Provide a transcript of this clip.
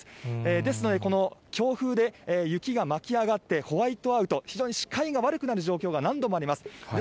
ですので、この強風で雪が巻き上がってホワイトアウト、非常に視界が悪くなる状況が何度もあります。